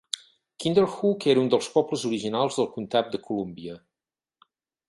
Kinderhook era un dels pobles originals del comtat de Columbia.